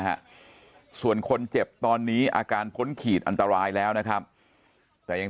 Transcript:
ฮะส่วนคนเจ็บตอนนี้อาการพ้นขีดอันตรายแล้วนะครับแต่ยัง